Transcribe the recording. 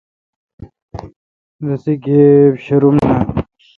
رسے گیبہ شروم نان۔